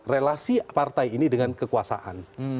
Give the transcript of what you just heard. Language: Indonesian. relasi partai ini dengan kekuasaan